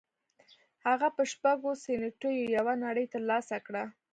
هغه په شپږو سينټو یوه نړۍ تر لاسه کړه